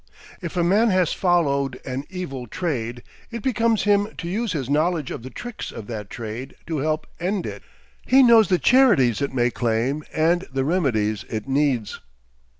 If a man has followed an evil trade, it becomes him to use his knowledge of the tricks of that trade to help end it. He knows the charities it may claim and the remedies it needs.